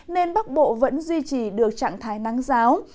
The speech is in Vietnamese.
nên bắc bộ vẫn duy trì được trạng thái nắng giáo